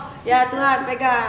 soh ya tuhan pegang